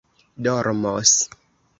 dormos